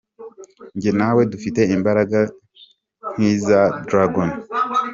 Njye nawe dufite imbaraga nk’iza dragon.